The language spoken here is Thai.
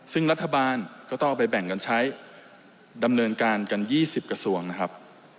ซึ่งรัฐบาลก็ต้องเอาไปแบ่งกันใช้ดำเนินการกัน๒๐กระทรวงนะครับ